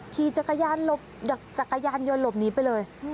ขี่จักรยานยนต์หลบหนีไปเลย